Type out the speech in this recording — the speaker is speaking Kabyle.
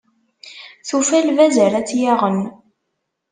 Tufa lbaz ara tt-yaɣen.